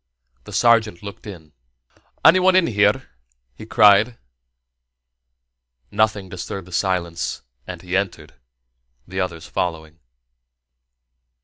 The sergeant looked in. "Anyone in here?" he cried. Nothing disturbed the silence, and he entered, the others following.